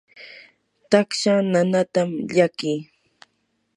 taksha nanaatam llakii.